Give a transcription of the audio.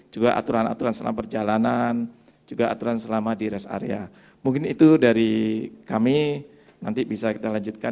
juga aturan aturan selama perjalanan semua itu bisa kita lakukan